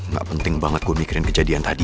gak penting banget gue mikirin kejadian tadi